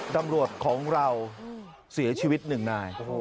ตำรวจของเราเสียชีวิตหนึ่งนาย